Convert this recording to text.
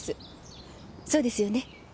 そうですよね？